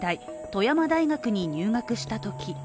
富山大学に入学したとき。